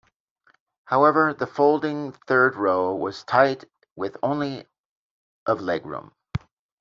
However, the folding third row was tight with only of legroom.